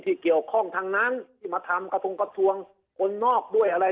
ที่เกี่ยวข้องทั้งนั้นที่มาทำกระทงกระทรวงคนนอกด้วยอะไร